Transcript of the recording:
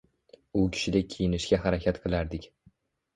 U kishidek kiyinishga harakat qilardik.